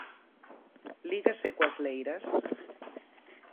Lígase coas leiras?